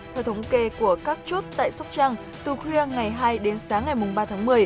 theo thống kê của các chốt tại sóc trăng từ khuya ngày hai đến sáng ngày ba tháng một mươi